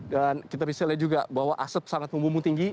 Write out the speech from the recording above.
dan kita bisa lihat juga bahwa asap sangat membumu tinggi